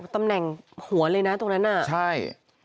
ตำแหน่งหัวเลยนะตรงนั้นน่ะใช่